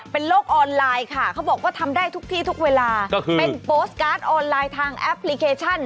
เป็นโลกออนไลน์ค่ะเขาบอกว่าทำได้ทุกที่ทุกเวลาเป็นโพสต์การ์ดออนไลน์ทางแอปพลิเคชัน